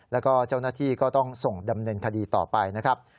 แล้วก็เจ้าหน้าที่ก็ต้องส่งดำเนินคดีต่อไปนะครับ